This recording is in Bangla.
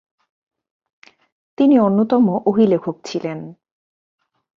তিনি অন্যতম ওহী লেখক ছিলেন।